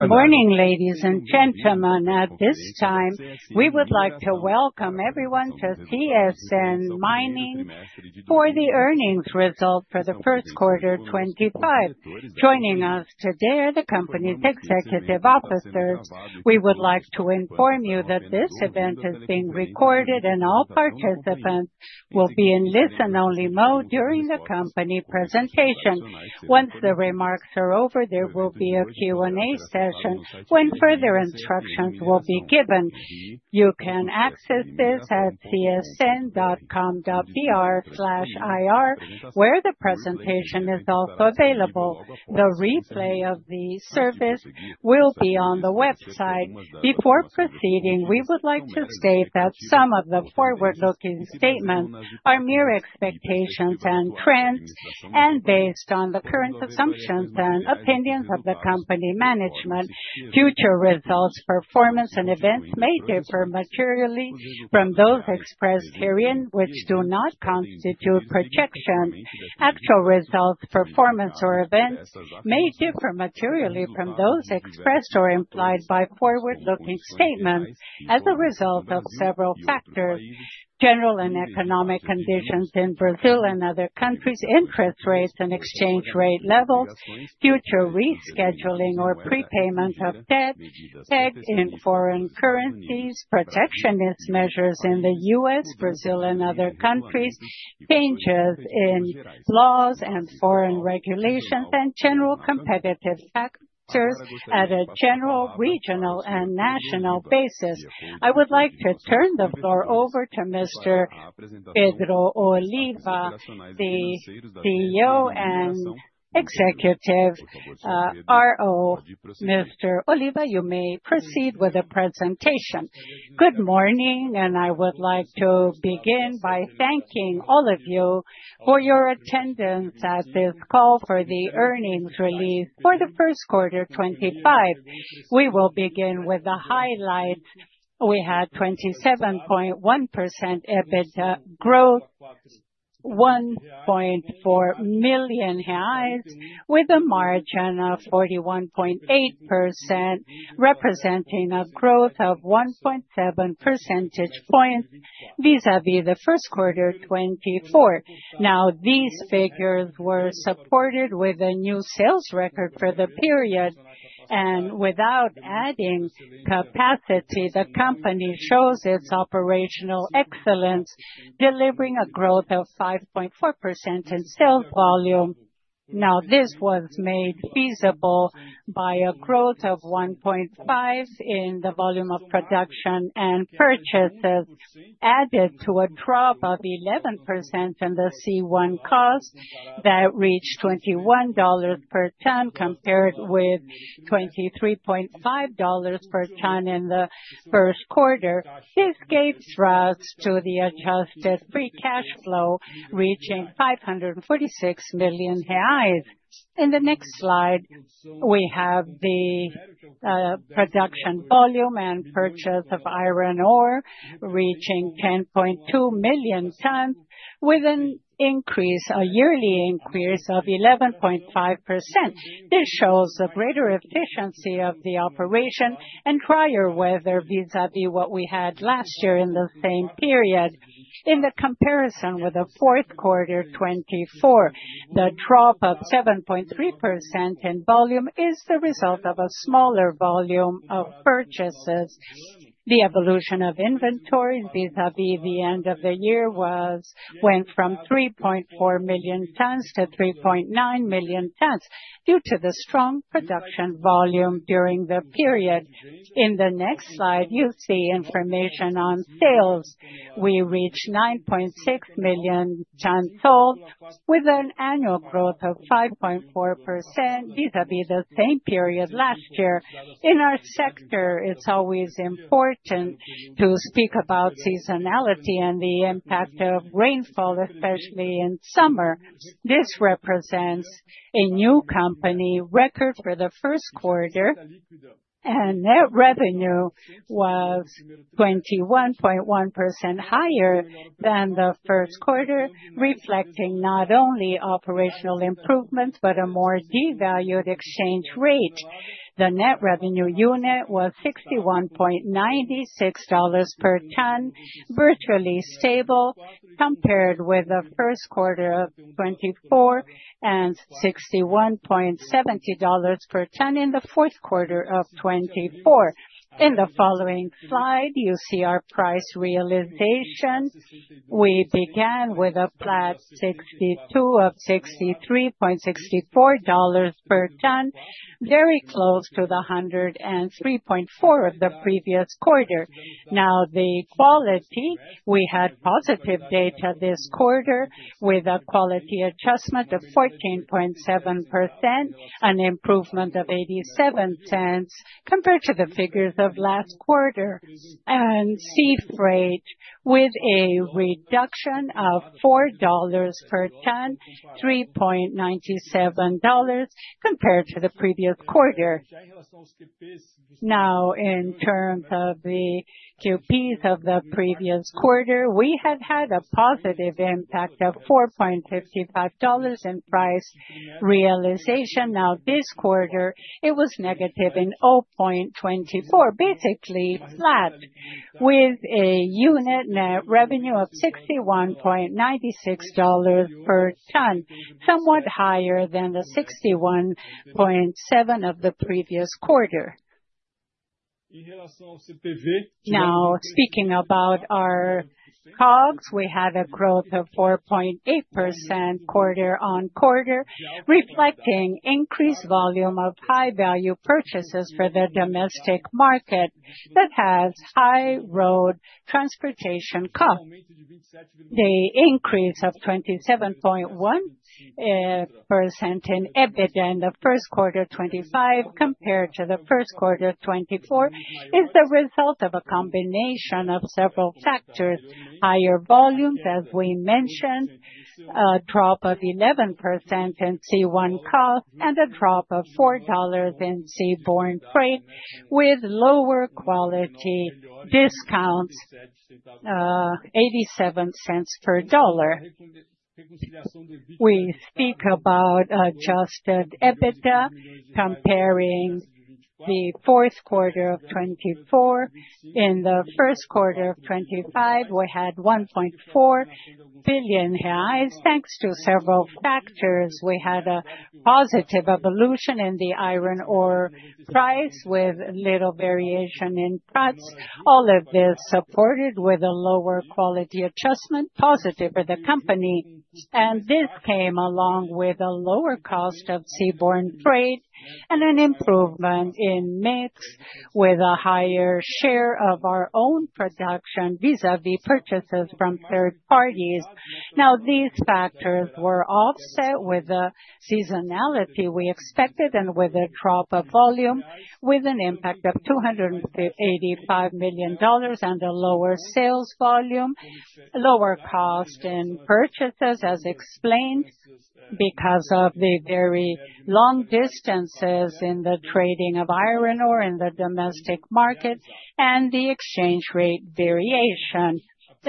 Good morning, ladies and gentlemen. At this time, we would like to welcome everyone to CSN Mineração for the earnings result for the first quarter 2025. Joining us today are the company's executive officers. We would like to inform you that this event is being recorded, and all participants will be in listen-only mode during the company presentation. Once the remarks are over, there will be a Q&A session when further instructions will be given. You can access this at csn.com.br/ir, where the presentation is also available. The replay of the service will be on the website. Before proceeding, we would like to state that some of the forward-looking statements are mere expectations and trends, and based on the current assumptions and opinions of the company management. Future results, performance, and events may differ materially from those expressed herein which do not constitute projections. Actual results, performance, or events may differ materially from those expressed or implied by forward-looking statements as a result of several factors: general and economic conditions in Brazil and other countries, interest rates and exchange rate levels, future rescheduling or prepayment of debt, peg in foreign currencies, protectionist measures in the U.S., Brazil, and other countries, changes in laws and foreign regulations, and general competitive factors at a general, regional, and national basis.I would like to turn the floor over to Mr. Pedro Oliva, the CEO and Executive RO. Mr. Oliva, you may proceed with the presentation. Good morning, and I would like to begin by thanking all of you for your attendance at this call for the earnings release for the first quarter 2025. We will begin with the highlights. We had 27.1% EBITDA growth, 1.4 million highs, with a margin of 41.8%, representing a growth of 1.7% points vis-à-vis the first quarter 2024. Now, these figures were supported with a new sales record for the period, and without adding capacity, the company shows its operational excellence, delivering a growth of 5.4% in sales volume. Now, this was made feasible by a growth of 1.5% in the volume of production and purchases, added to a drop of 11% in the C1 cost that reached $21 per ton compared with $23.5 per ton in the first quarter. This gave rise to the adjusted free cash flow reaching 546 million highs. In the next slide, we have the production volume and purchase of iron ore reaching 10.2 million tons, with an increase, a yearly increase of 11.5%. This shows a greater efficiency of the operation and drier weather vis-à-vis what we had last year in the same period. In the comparison with the fourth quarter 2024, the drop of 7.3% in volume is the result of a smaller volume of purchases. The evolution of inventory vis-à-vis the end of the year went from 3.4 million tons-3.9 million tons due to the strong production volume during the period. In the next slide, you'll see information on sales. We reached 9.6 million tons sold, with an annual growth of 5.4% vis-à-vis the same period last year. In our sector, it's always important to speak about seasonality and the impact of rainfall, especially in summer. This represents a new company record for the first quarter, and net revenue was 21.1% higher than the first quarter, reflecting not only operational improvements but a more devalued exchange rate. The net-revenue unit was $61.96 per ton, virtually stable compared with the first quarter of 2024 and $61.70 per ton in the fourth quarter of 2024. In the following slide, you see our price realization. We began with a Flat 62 of $63.64 per ton, very close to the 103.4 of the previous quarter. Now, the quality. We had positive data this quarter with a quality adjustment of 14.7%, an improvement of $0.87 compared to the figures of last quarter, and sea freight with a reduction of $4 per ton, $3.97 compared to the previous quarter. Now, in terms of the QPs of the previous quarter, we had had a positive impact of $4.55 in price realization. Now, this quarter, it was negative in $0.24, basically flat, with a unit net revenue of $61.96 per ton, somewhat higher than the $61.70 of the previous quarter. Now, speaking about our COGS, we had a growth of 4.8% quarter-on-quarter, reflecting increased volume of high-value purchases for the domestic market that has high road transportation costs. The increase of 27.1% in EBITDA in the first quarter 2025 compared to the first quarter 2024 is the result of a combination of several factors: higher volumes, as we mentioned, a drop of 11% in C1 costs, and a drop of $4 in sea freight, with lower quality discounts, $0.87 per ton. We speak about adjusted EBITDA comparing the fourth quarter of 2024. In the first quarter of 2025, we had 1.4 billion reais highs, thanks to several factors. We had a positive evolution in the iron ore price with little variation in price. All of this supported with a lower quality adjustment, positive for the company. This came along with a lower cost of sea freight and an improvement in mix with a higher share of our own production vis-à-vis purchases from third parties. These factors were offset with the seasonality we expected and with a drop of volume, with an impact of $285 million and a lower sales volume, lower cost in purchases, as explained because of the very long distances in the trading of iron ore in the domestic market and the exchange rate variation. In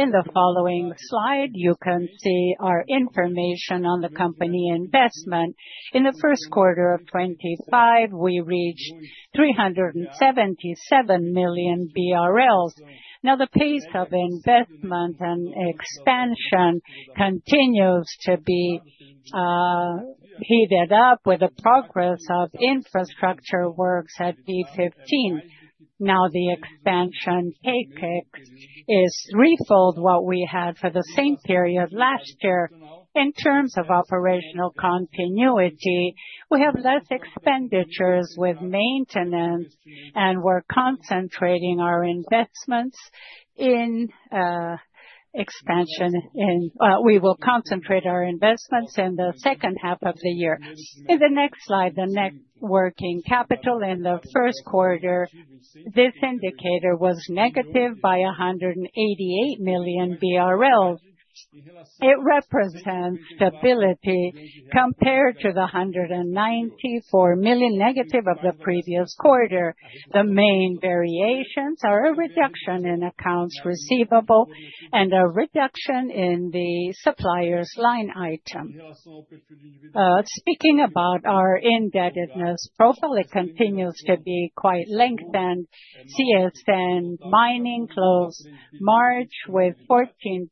the following slide, you can see our information on the company investment. In the first quarter of 2025, we reached 377 million BRL. The pace of investment and expansion continues to be heated up with the progress of infrastructure works at P15. The expansion CapEx is threefold what we had for the same period last year. In terms of operational continuity, we have less expenditures with maintenance, and we're concentrating our investments in expansion. We will concentrate our investments in the second half of the year. In the next slide, the net working capital in the first quarter, this indicator was negative by 188 million BRL. It represents stability compared to the 194 million- of the previous quarter. The main variations are a reduction in accounts receivable and a reduction in the supplier's line item. Speaking about our indebtedness profile, it continues to be quite lengthened. CSN Mineração closed March with $14.3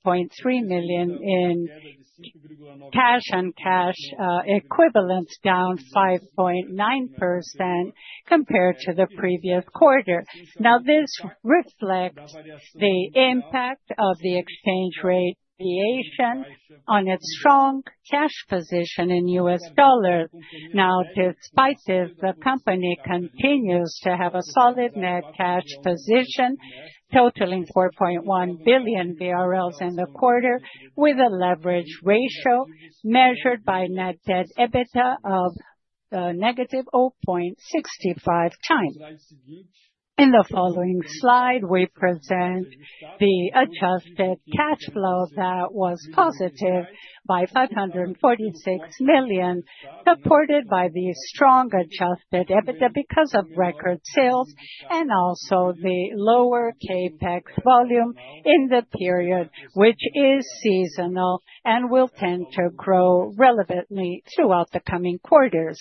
million in cash and cash equivalents, down 5.9% compared to the previous quarter. Now, this reflects the impact of the exchange rate variation on its strong cash position in U.S. dollars. Now, despite this, the company continues to have a solid net cash position, totaling 4.1 billion BRL in the quarter, with a leverage ratio measured by net debt EBITDA of -0.65x In the following slide, we present the adjusted cash flow that was positive by 546 million, supported by the strong adjusted EBITDA because of record sales and also the lower CapEx volume in the period, which is seasonal and will tend to grow relevantly throughout the coming quarters.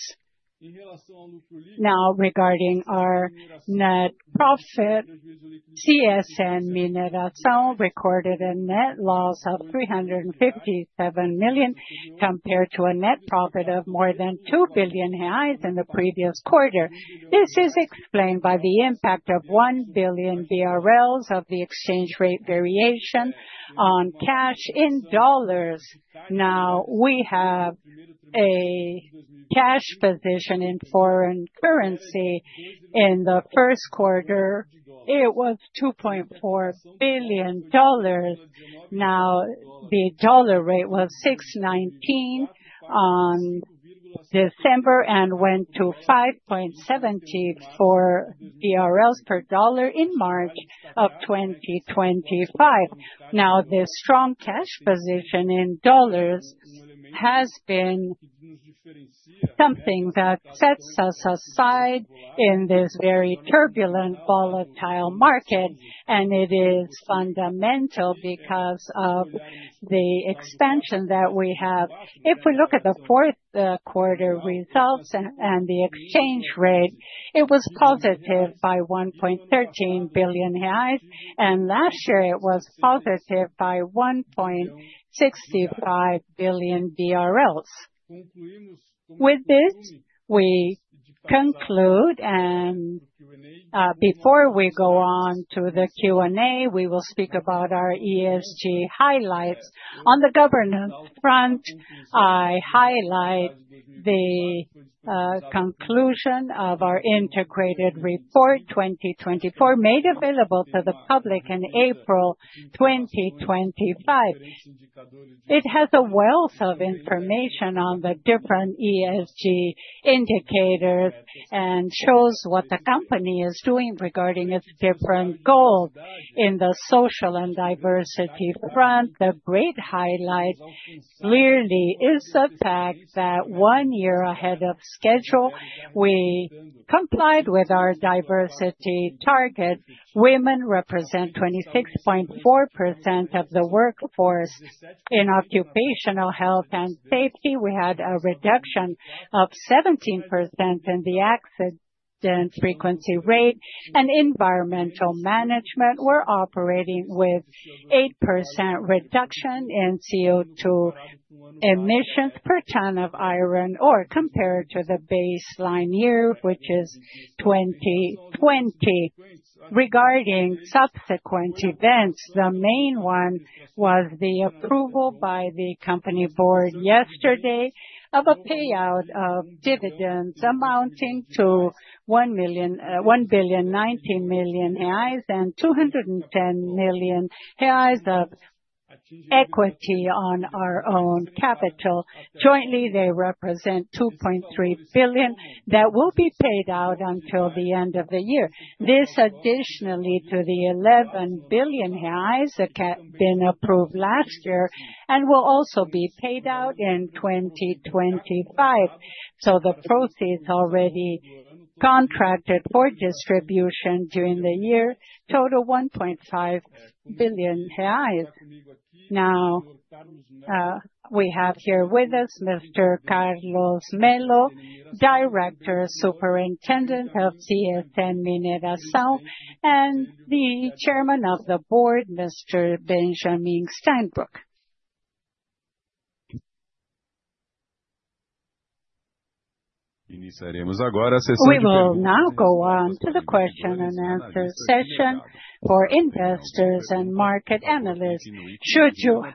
Now, regarding our net profit, CSN Mineração recorded a net loss of 357 million compared to a net profit of more than 2 billion reais highs in the previous quarter. This is explained by the impact of 1 billion BRL of the exchange rate variation on cash in dollars. Now, we have a cash position in foreign currency. In the first quarter, it was $2.4 billion. Now, the dollar rate was 6.19 on December and went to 5.74 BRL per dollar in March of 2025. Now, this strong cash position in dollars has been something that sets us aside in this very turbulent, volatile market, and it is fundamental because of the expansion that we have. If we look at the fourth quarter results and the exchange rate, it was positive by 1.13 billion reais, and last year it was positive by 1.65 billion BRL. With this, we conclude, and before we go on to the Q&A, we will speak about our ESG highlights. On the governance front, I highlight the conclusion of our integrated report 2024 made available to the public in April 2025. It has a wealth of information on the different ESG indicators and shows what the company is doing regarding its different goals. In the social and diversity front, the great highlight clearly is the fact that one year ahead of schedule, we complied with our diversity target. Women represent 26.4% of the workforce. In occupational health and safety, we had a reduction of 17% in the accident frequency rate, and in environmental management we are operating with an 8% reduction in CO2 emissions per ton of iron ore compared to the baseline year, which is 2020. Regarding subsequent events, the main one was the approval by the company board yesterday of a payout of dividends amounting to 1 billion, 1.9 million reais, and 210 million reais of equity on our own capital. Jointly, they represent 2.3 billion that will be paid out until the end of the year. This, additionally to the 1.1 billion reais that had been approved last year, will also be paid out in 2025. The proceeds already contracted for distribution during the year total 1.5 billion reais. Now, we have here with us Mr. Carlos Mello, Director Superintendent of CSN Mineração, and the Chairman of the Board, Mr. Benjamin Steinbruch. We will now go on to the question and answer session for investors and market analysts. Should you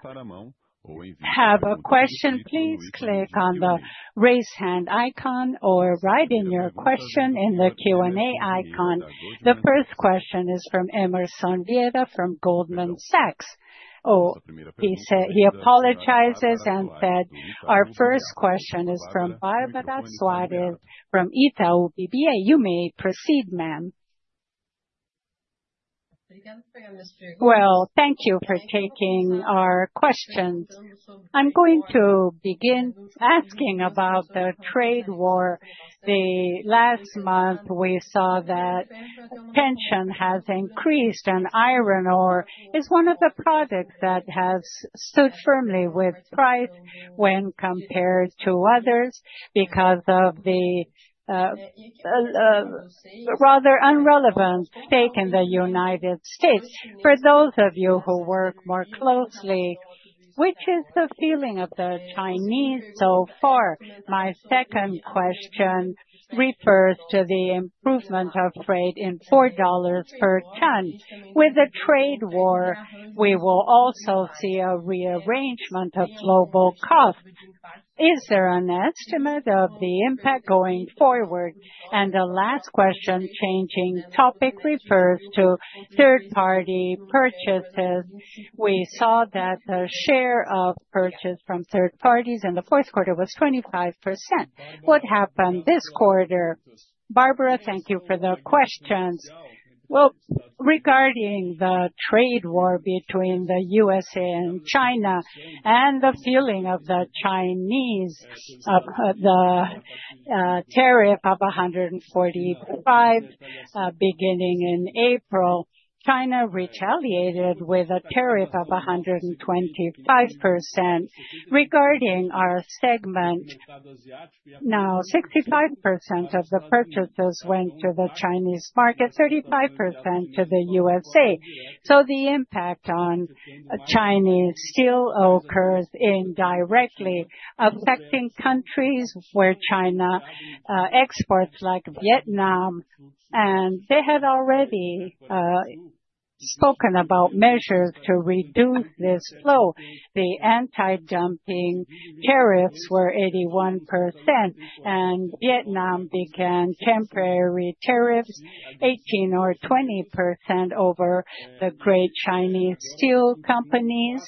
have a question, please click on the raise hand icon or write in your question in the Q&A icon. The first question is from Emerson Vieira from Goldman Sachs. He apologizes and said, "Our first question is from Barbara Soares from Itau BBA. You may proceed, ma'am." Thank you for taking our questions. I'm going to begin asking about the trade war. The last month, we saw that tension has increased, and iron ore is one of the products that has stood firmly with price when compared to others because of the rather unrelevant stake in the United States. For those of you who work more closely, which is the feeling of the Chinese so far? My second question refers to the improvement of freight in $4 per ton. With the trade war, we will also see a rearrangement of global costs. Is there an estimate of the impact going forward? The last question, changing topic, refers to third-party purchases. We saw that the share of purchase from third parties in the fourth quarter was 25%. What happened this quarter? Barbara, thank you for the questions. Regarding the trade war between the U.S. and China and the feeling of the Chinese of the tariff of 145 beginning in April, China retaliated with a tariff of 125%. Regarding our segment, now 65% of the purchases went to the Chinese market, 35% to the U.S.A The impact on Chinese steel occurs indirectly, affecting countries where China exports like Vietnam. They had already spoken about measures to reduce this flow. The anti-dumping tariffs were 81%, and Vietnam began temporary tariffs, 18% or 20% over the great Chinese steel companies.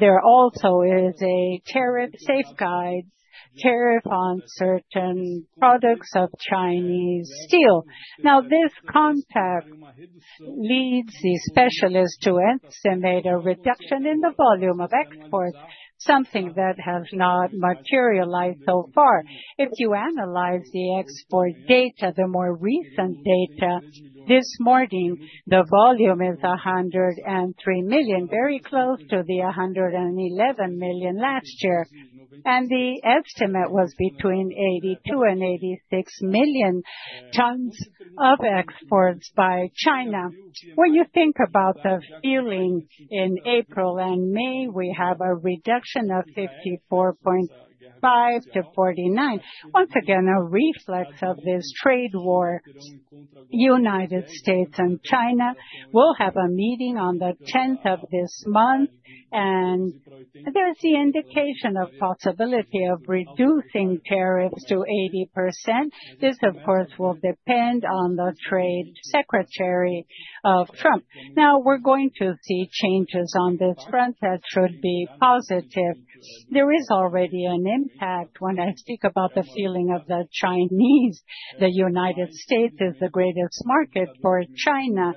There also is a safeguard tariff on certain products of Chinese steel. This contact leads the specialists to estimate a reduction in the volume of exports, something that has not materialized so far. If you analyze the export data, the more recent data this morning, the volume is 103 million, very close to the 111 million last year. The estimate was between 82 million and 86 million tons of exports by China. When you think about the feeling in April and May, we have a reduction of 54.5-49. Once again, a reflex of this trade war. The United States and China will have a meeting on the 10th of this month, and there's the indication of possibility of reducing tariffs to 80%. This, of course, will depend on the Trade Secretary of Trump. Now, we're going to see changes on this front that should be positive. There is already an impact when I speak about the feeling of the Chinese. The United States is the greatest market for China.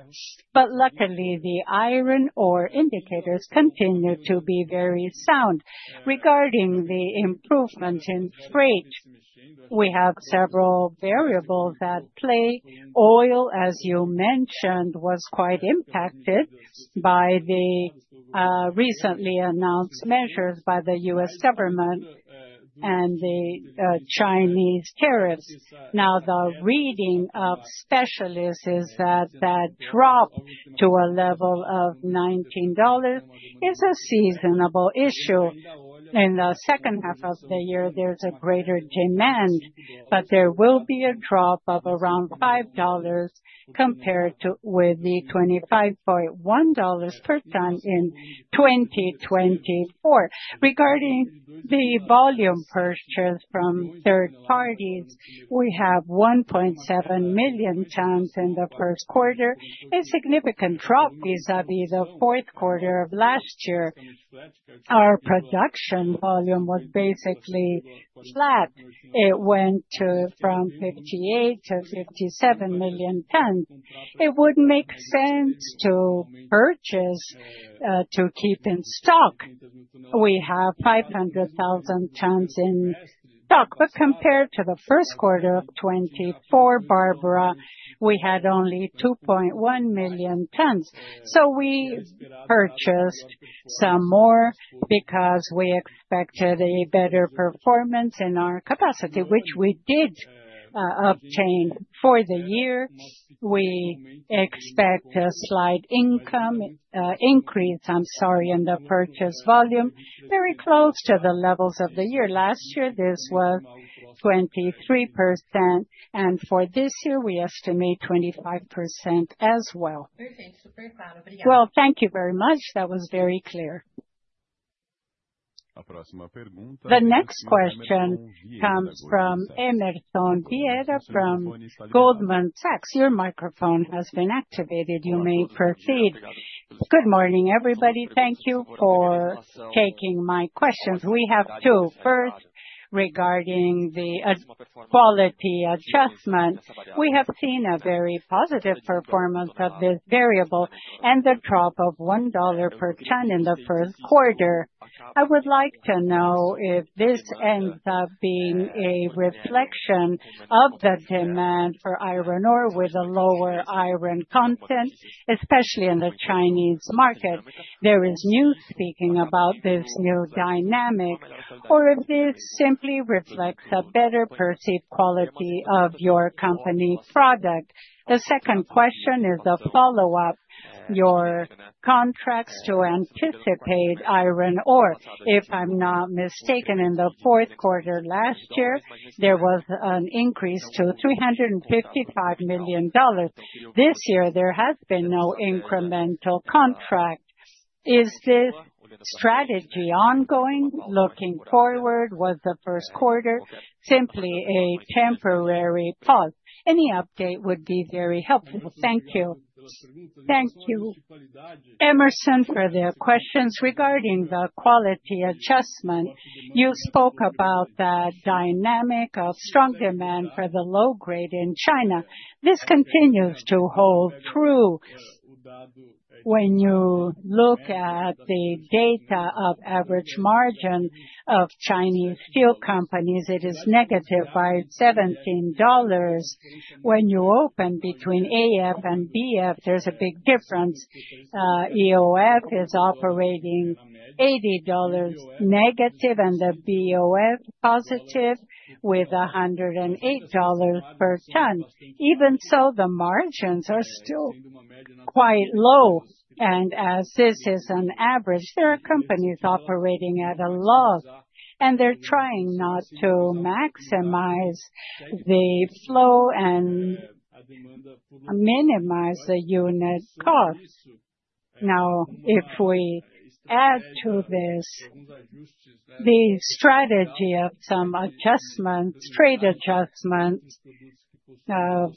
Luckily, the iron ore indicators continue to be very sound. Regarding the improvement in freight, we have several variables at play. Oil, as you mentioned, was quite impacted by the recently announced measures by the U.S. government and the Chinese tariffs. Now, the reading of specialists is that that drop to a level of $19 is a seasonable issue. In the second half of the year, there is a greater demand, but there will be a drop of around $5 compared to the $25.1 per ton in 2024. Regarding the volume purchase from third parties, we have 1.7 million tons in the first quarter, a significant drop vis-à-vis the fourth quarter of last year. Our production volume was basically flat. It went from 58 million-57 million tons. It would make sense to purchase to keep in stock. We have 500,000 tons in stock, but compared to the first quarter of 2024, Barbara, we had only 2.1 million tons. We purchased some more because we expected a better performance in our capacity, which we did obtain for the year. We expect a slight income increase, I'm sorry, in the purchase volume, very close to the levels of the year. Last year, this was 23%, and for this year, we estimate 25% as well. Thank you very much. That was very clear. The next question comes from Emerson Vieira from Goldman Sachs. Your microphone has been activated. You may proceed. Good morning, everybody. Thank you for taking my questions. We have two. First, regarding the quality adjustment, we have seen a very positive performance of this variable and the drop of $1 per ton in the first quarter. I would like to know if this ends up being a reflection of the demand for iron ore with a lower iron content, especially in the Chinese market. There is news speaking about this new dynamic, or if this simply reflects a better perceived quality of your company product. The second question is the follow-up, your contracts to anticipate iron ore. If I'm not mistaken, in the fourth quarter last year, there was an increase to $355 million. This year, there has been no incremental contract. Is this strategy ongoing? Looking forward, was the first quarter simply a temporary pause? Any update would be very helpful. Thank you. Thank you, Emerson, for the questions regarding the quality adjustment. You spoke about the dynamic of strong demand for the low grade in China. This continues to hold true. When you look at the data of average margin of Chinese steel companies, it is negative by $17. When you open between EAF and BOF, there's a big difference. EAF is operating $80- and the BOF positive with $108 per ton. Even so, the margins are still quite low. As this is an average, there are companies operating at a loss, and they are trying not to maximize the flow and minimize the unit cost. Now, if we add to this the strategy of some adjustments, trade adjustments of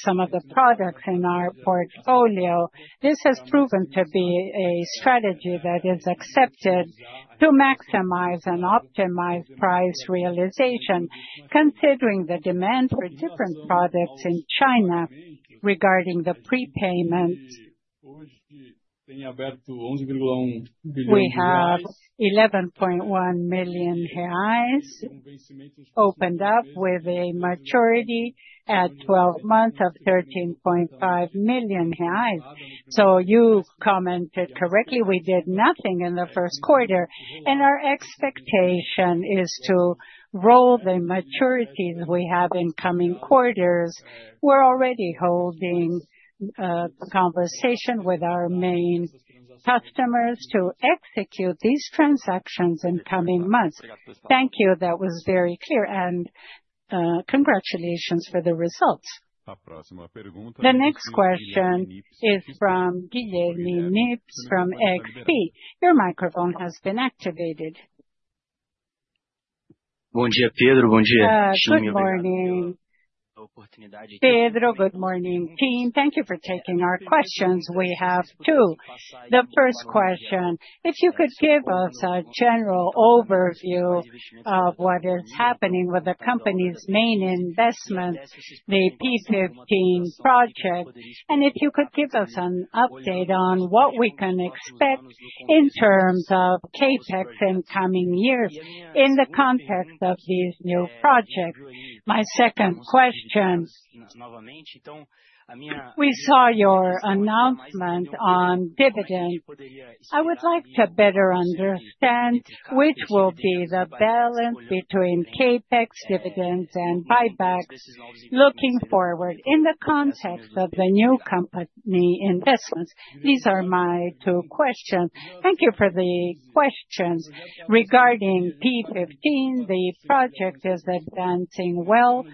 some of the products in our portfolio, this has proven to be a strategy that is accepted to maximize and optimize price realization, considering the demand for different products in China. Regarding the prepayments, we have 1.1 billion reais opened up with a maturity at 12 months of 1.35 billion reais. You commented correctly. We did nothing in the first quarter, and our expectation is to roll the maturities we have in coming quarters. We're already holding a conversation with our main customers to execute these transactions in coming months. Thank you. That was very clear, and congratulations for the results. The next question is from Guilherme Nippes from XP. Your microphone has been activated. Bom dia, Pedro. Bom dia. Good morning. Pedro, good morning, team. Thank you for taking our questions. We have two. The first question, if you could give us a general overview of what is happening with the company's main investments, the P15 project, and if you could give us an update on what we can expect in terms of CapEx in coming years in the context of these new projects. My second question, we saw your announcement on dividends. I would like to better understand which will be the balance between CapEx, dividends, and buybacks looking forward in the context of the new company investments. These are my two questions. Thank you for the questions. Regarding P15, the project is advancing well,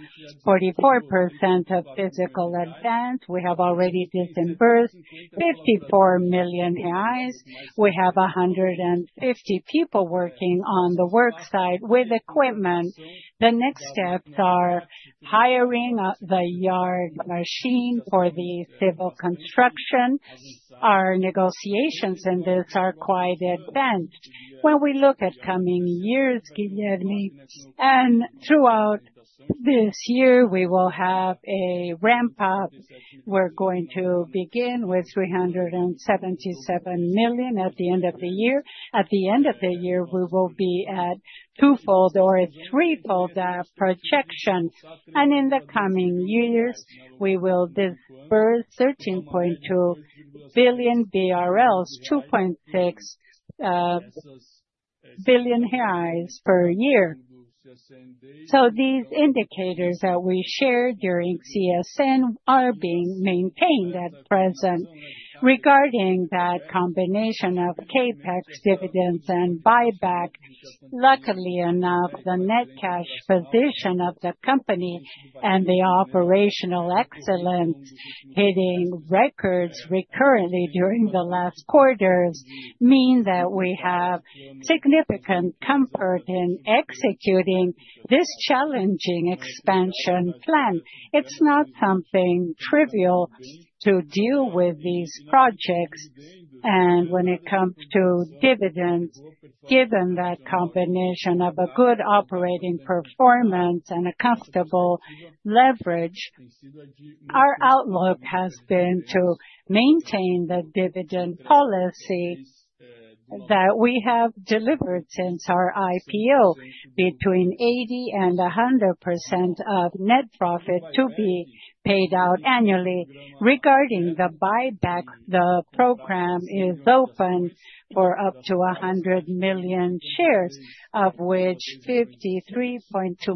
44% of physical advance. We have already disbursed 54 million reais. We have 150 people working on the worksite with equipment. The next steps are hiring the yard machine for the civil construction. Our negotiations in this are quite advanced. When we look at coming years, Guilherme, and throughout this year, we will have a ramp-up. We're going to begin with 377 million at the end of the year. At the end of the year, we will be at twofold or threefold projection. In the coming years, we will disburse 13.2 billion BRL, 2.6 billion reais per year. These indicators that we shared during CSN are being maintained at present. Regarding that combination ofCapEx, dividends, and buyback, luckily enough, the net cash position of the company and the operational excellence hitting records recurrently during the last quarters mean that we have significant comfort in executing this challenging expansion plan. It's not something trivial to deal with these projects. When it comes to dividends, given that combination of a good operating performance and a comfortable leverage, our outlook has been to maintain the dividend policy that we have delivered since our IPO, between 80% and 100% of net profit to be paid out annually. Regarding the buyback, the program is open for up to 100 million shares, of which 53.2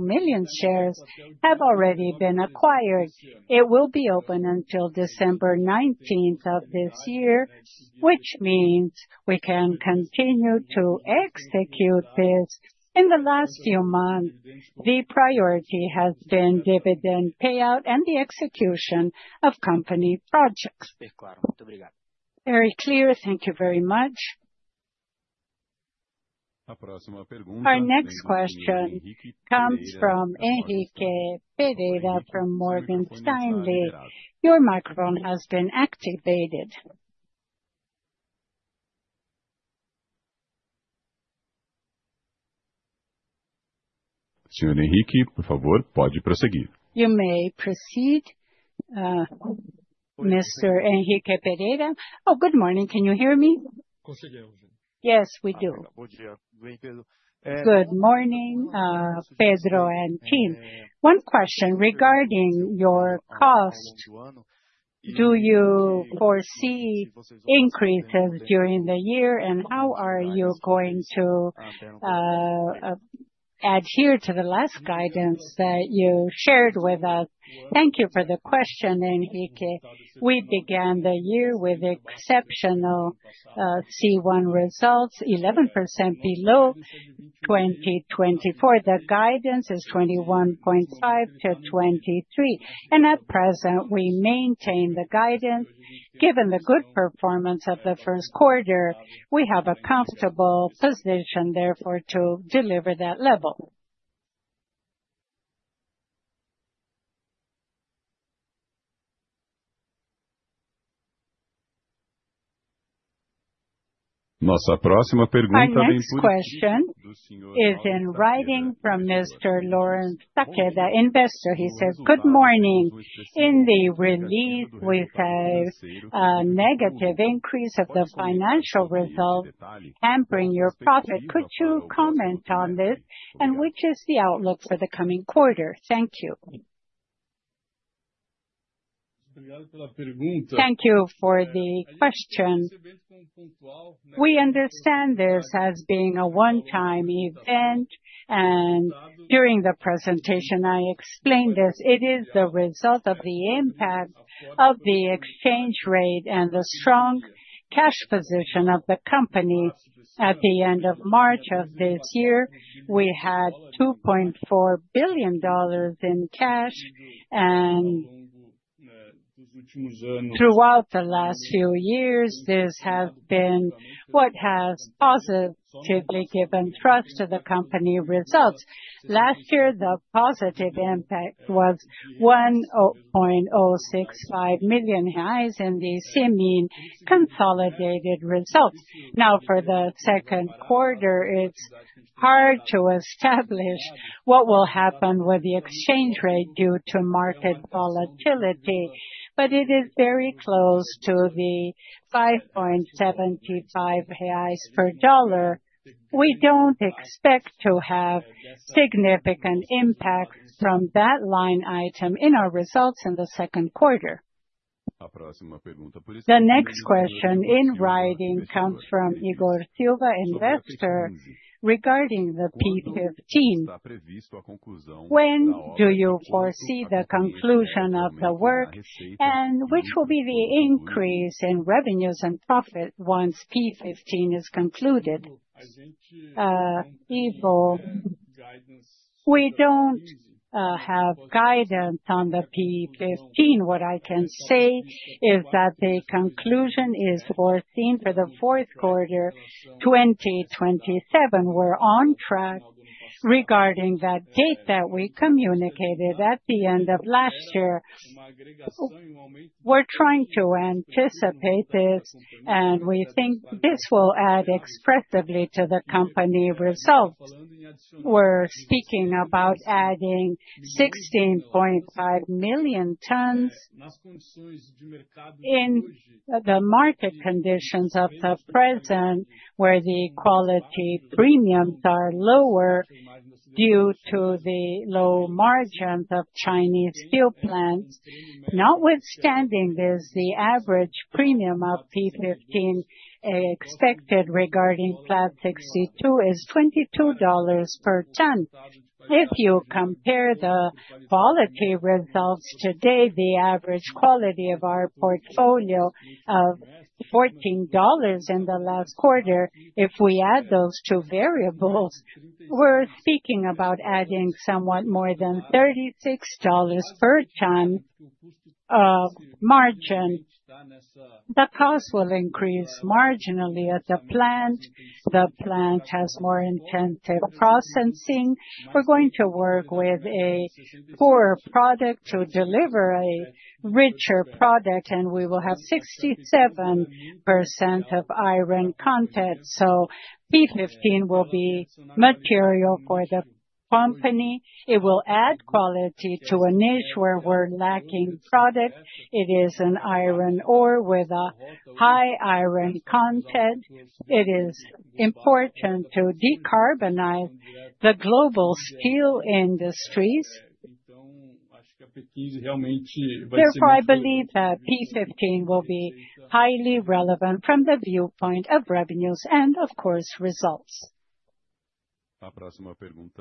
million shares have already been acquired. It will be open until December 19th of this year, which means we can continue to execute this. In the last few months, the priority has been dividend payout and the execution of company projects. Very clear. Thank you very much. Our next question comes from Henrique Pereira from Morgan Stanley. Your microphone has been activated. Senhor Enrique, por favor, pode prosseguir. You may proceed, Mr. Henrique Pereira. Oh, good morning. Can you hear me? Yes, we do. Good morning, Pedro and team. One question regarding your cost. Do you foresee increases during the year, and how are you going to adhere to the last guidance that you shared with us? Thank you for the question, Enrique. We began the year with exceptional C1 results, 11% below 2024. The guidance is 21.5-23. And at present, we maintain the guidance. Given the good performance of the first quarter, we have a comfortable position, therefore, to deliver that level. Our next question, My next question is in writing from Mr. Lawrence Takeda, investor. He says, "Good morning. In the release, we have a negative increase of the financial results hampering your profit. Could you comment on this and which is the outlook for the coming quarter? Thank you." Thank you for the question. We understand this as being a one-time event, and during the presentation, I explained this. It is the result of the impact of the exchange rate and the strong cash position of the company. At the end of March of this year, we had $2.4 billion in cash, and throughout the last few years, this has been what has positively given trust to the company results. Last year, the positive impact was 1.065 million highs in the same mean consolidated results. Now, for the second quarter, it's hard to establish what will happen with the exchange rate due to market volatility, but it is very close to the 5.75 highs per dollar. We don't expect to have significant impact from that line item in our results in the second quarter. The next question in writing comes from Igor Silva, investor, regarding the P15. When do you foresee the conclusion of the work, and which will be the increase in revenues and profit once P15 is concluded? We don't have guidance on the P15. What I can say is that the conclusion is foreseen for the fourth quarter 2027. We're on track regarding that date that we communicated at the end of last year. We're trying to anticipate this, and we think this will add expressively to the company results. We're speaking about adding 16.5 million tons in the market conditions of the present, where the quality premiums are lower due to the low margins of Chinese steel plants. Notwithstanding, the average premium of P15 expected regarding Flat 62 is $22 per ton. If you compare the quality results today, the average quality of our portfolio of $14 in the last quarter, if we add those two variables, we're speaking about adding somewhat more than $36 per ton of margin. The cost will increase marginally at the plant. The plant has more intensive processing. We're going to work with a poorer product to deliver a richer product, and we will have 67% of iron content. P15 will be material for the company. It will add quality to a niche where we're lacking product. It is an iron ore with a high iron content. It is important to decarbonize the global steel industries. Therefore, I believe that P15 will be highly relevant from the viewpoint of revenues and, of course, results.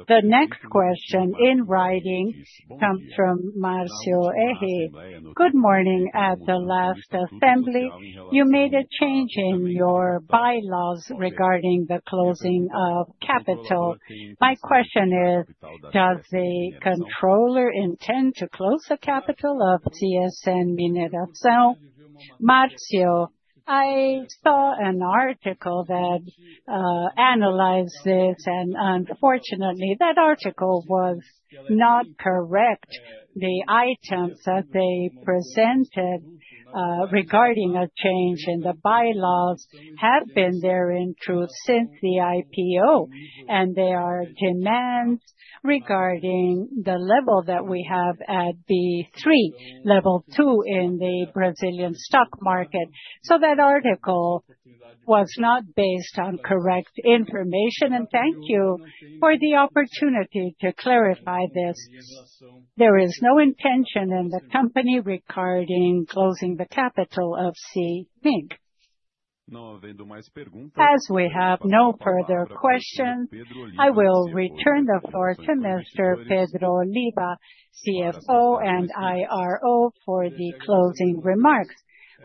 The next question in writing comes from Marcio Ehe. Good morning. At the last assembly, you made a change in your bylaws regarding the closing of capital. My question is, does the controller intend to close the capital of CSN Mineração? Marcio, I saw an article that analyzed this, and unfortunately, that article was not correct. The items that they presented regarding a change in the bylaws have been there in truth since the IPO, and they are demands regarding the level that we have at B3, level two in the Brazilian stock market. That article was not based on correct information, and thank you for the opportunity to clarify this. There is no intention in the company regarding closing the capital of CSN Mineração. As we have no further questions, I will return the floor to Mr. Pedro Oliva, CFO and IRO, for the closing remarks.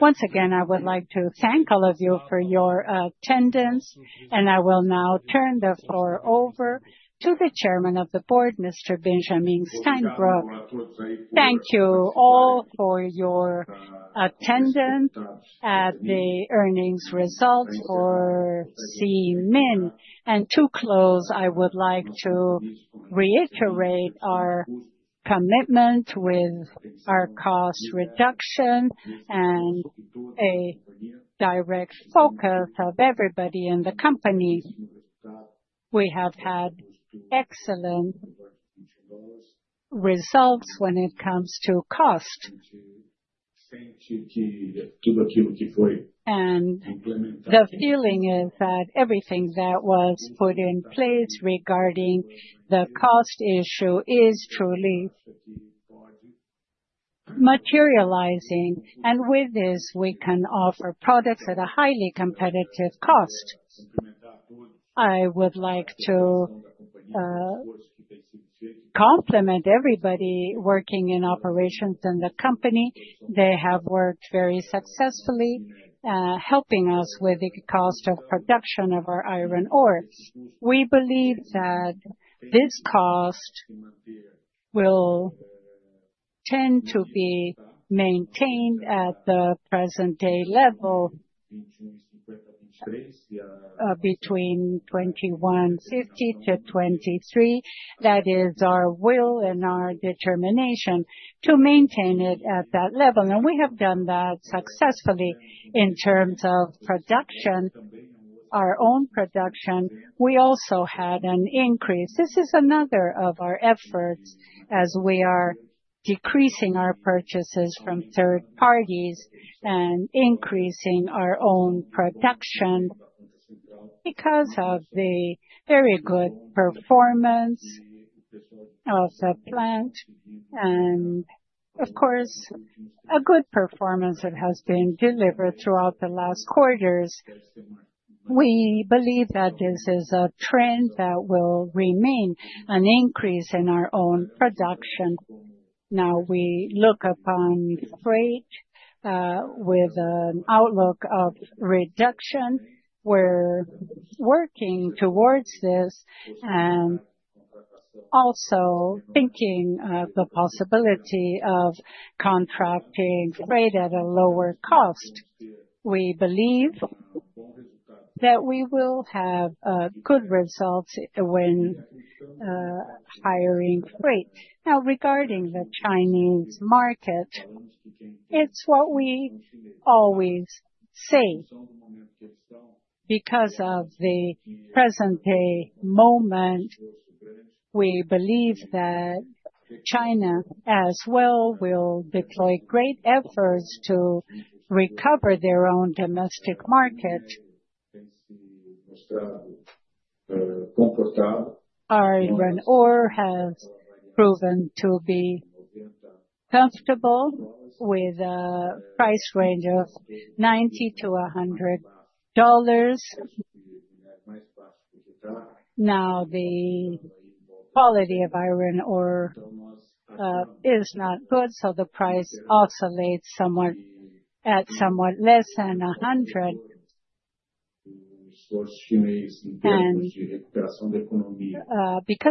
Once again, I would like to thank all of you for your attendance, and I will now turn the floor over to the Chairman of the Board, Mr. Benjamin Steinbruch. Thank you all for your attendance at the earnings results for CSNM. To close, I would like to reiterate our commitment with our cost reduction and a direct focus of everybody in the company. We have had excellent results when it comes to cost, and the feeling is that everything that was put in place regarding the cost issue is truly materializing. With this, we can offer products at a highly competitive cost. I would like to compliment everybody working in operations in the company. They have worked very successfully, helping us with the cost of production of our iron ore. We believe that this cost will tend to be maintained at the present-day level between 21.50-23. That is our will and our determination to maintain it at that level. We have done that successfully in terms of production, our own production. We also had an increase. This is another of our efforts as we are decreasing our purchases from third parties and increasing our own production because of the very good performance of the plant and, of course, a good performance that has been delivered throughout the last quarters. We believe that this is a trend that will remain, an increase in our own production. Now, we look upon freight with an outlook of reduction. We're working towards this and also thinking of the possibility of contracting freight at a lower cost. We believe that we will have good results when hiring freight. Now, regarding the Chinese market, it's what we always say. Because of the present-day moment, we believe that China as well will deploy great efforts to recover their own domestic market. Our iron ore has proven to be comfortable with a price range of $90-$100. Now, the quality of iron ore is not good, so the price oscillates somewhat at somewhat less than $100. Because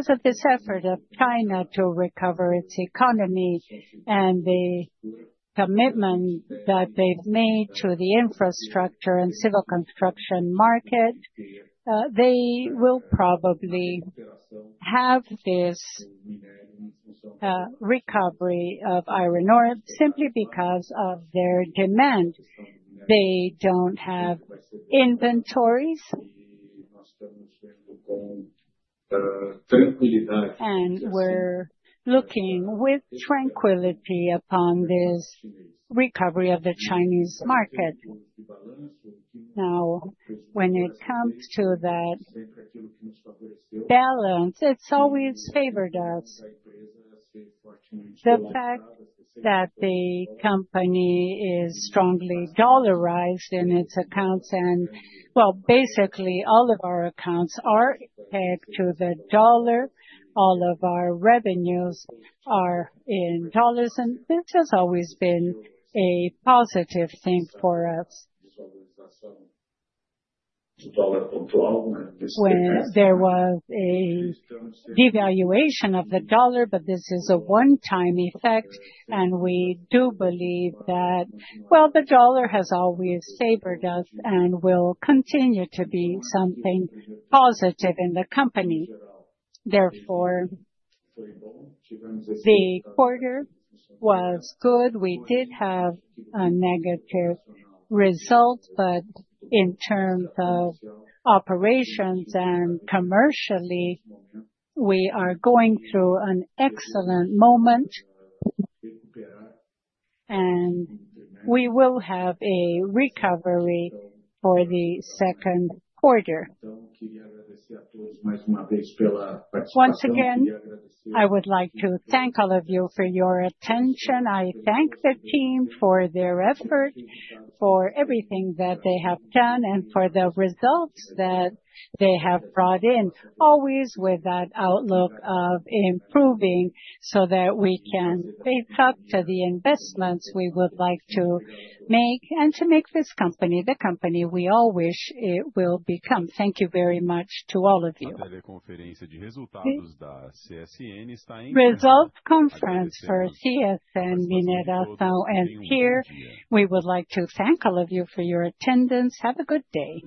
of this effort of China to recover its economy and the commitment that they've made to the infrastructure and civil construction market, they will probably have this recovery of iron ore simply because of their demand. They don't have inventories and we're looking with tranquility upon this recovery of the Chinese market. Now, when it comes to that balance, it's always favored us. The fact that the company is strongly dollarized in its accounts and, basically all of our accounts are pegged to the dollar, all of our revenues are in dollars, and this has always been a positive thing for us. When there was a devaluation of the dollar, but this is a one-time effect, and we do believe that the dollar has always favored us and will continue to be something positive in the company. Therefore, the quarter was good. We did have a negative result, but in terms of operations and commercially, we are going through an excellent moment, and we will have a recovery for the second quarter. Once again, I would like to thank all of you for your attention. I thank the team for their effort, for everything that they have done, and for the results that they have brought in, always with that outlook of improving so that we can stay up to the investments we would like to make and to make this company the company we all wish it will become. Thank you very much to all of you. Result Conference for CSN Mineração and Steel. We would like to thank all of you for your attendance. Have a good day.